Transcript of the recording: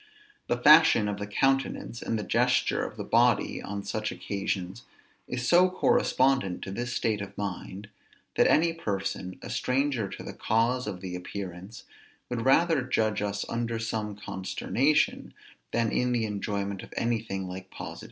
The fashion of the countenance and the gesture of the body on such occasions is so correspondent to this state of mind, that any person, a stranger to the cause of the appearance, would rather judge us under some consternation, than in the enjoyment of anything like positive pleasure.